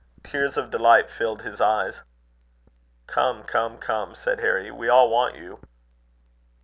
Tears of delight filled his eyes. "Come, come, come," said Harry; "we all want you."